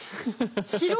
白い。